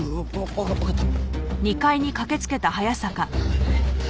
わわかった。